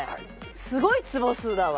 すごい坪数だわ。